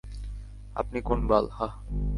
আপনি কোন বাল, হাহ?